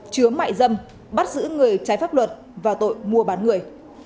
chứa mại dâm bắt giữ người trái pháp luật và tội mua bán người